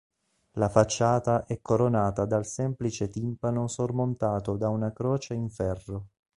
La facciata è coronata dal semplice timpano sormontato da una croce in ferro.